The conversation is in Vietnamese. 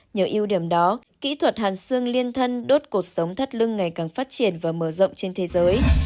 nhờ ưu điểm đó kỹ thuật hàn xương liên thân đốt cuộc sống thắt lưng ngày càng phát triển và mở rộng trên thế giới